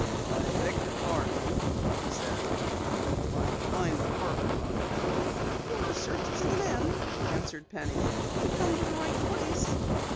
"I beg your pardon," he said, "I am trying to find the Parker cottage." "Your search is at an end," answered Penny. "You've come to the right place."